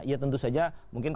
iya tentu saja mungkin